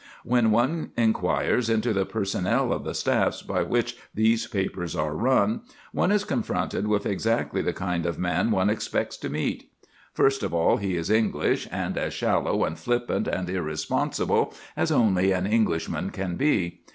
When one inquires into the personnel of the staffs by which these papers are run, one is confronted with exactly the kind of man one expects to meet. First of all, he is English, and as shallow and flippant and irresponsible as only an Englishman can be.